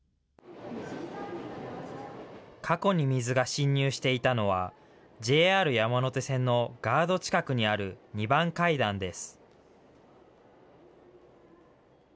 過去に水が侵入していたのは、ＪＲ山手線のガード近くにある２番階段です。